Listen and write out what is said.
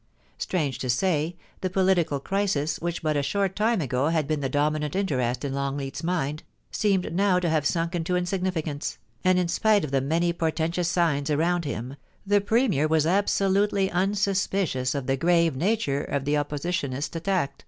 Strange to say, lia political crisis which but a short time ago had been the dominant interest in Longleat's mind, seemed now to hare sunk into insignificance, and in spite of the many portentous signs around him, the Premier was absolutely unsuspidoos of the grave nature of the Oppositionist attack.